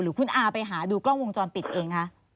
คุณอาไปหาดูกล้องวงจรปิดเองคะ